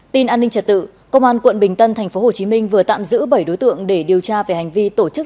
tin an ninh trật tự công an quận bình tân tp hcm vừa tạm giữ bảy đối tượng để điều tra về hành vi tổ chức